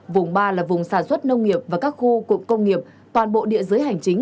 vùng ba là vùng sản xuất nông nghiệp và các khu cụm công nghiệp toàn bộ địa giới hành chính